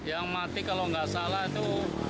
yang mati kalau tidak salah itu tiga